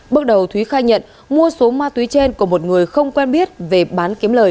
bước đầu thúy khai nhận mua số ma túy trên của một người không quen biết về bán kiếm lời